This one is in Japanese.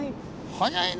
早いね。